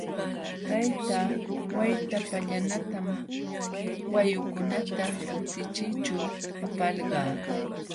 Tayta Waytapallanatam wayukunata kutichiyćhu apalqaa.